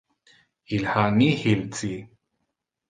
Il ha nihil ci!